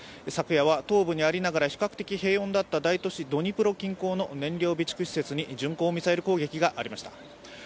昨夜は東部にありながら比較的平穏だった大都市ドニプロ近郊の燃料備蓄施設に巡航ミサイル攻撃がありました。